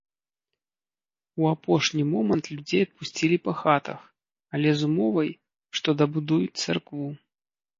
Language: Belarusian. У апошні момант людзей адпусцілі па хатах, але з умовай, што дабудуюць царкву.